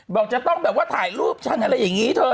บอกจะต้องแบบว่าถ่ายรูปฉันอะไรอย่างนี้เธอ